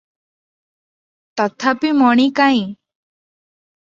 ତଥାପି ମଣି କାଇଁ?